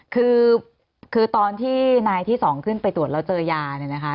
คือตอนที่นายที่๒ขึ้นไปตรวจเราเจอยา